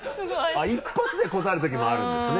あっ一発で答えるときもあるんですね。